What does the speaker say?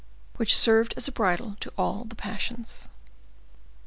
which served as a bridle to all the passions.